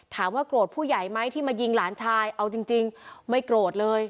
ถามว่าโกรธผู้ใหญ่ไหมที่มายิงหลานชายเอาจริงไม่โกรธเลย